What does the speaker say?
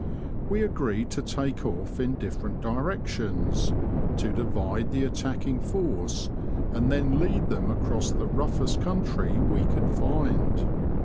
We agreed to take off in different directions, to divide the attacking force, and then lead them across the roughest country we could find.